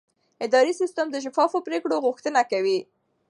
اداري سیستم د شفافو پریکړو غوښتنه کوي.